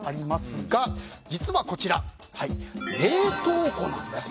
実はこちら、冷凍庫なんです。